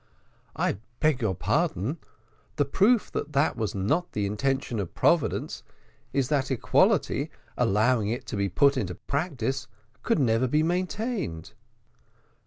"I beg your pardon; the proof that that was not the intention of Providence is that that equality, allowing it to be put in practice, could never be maintained."